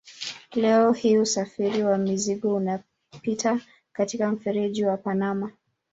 Leo hii usafiri wa mizigo unapita katika mfereji wa Panama.